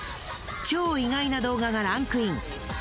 超意外な動画がランクイン。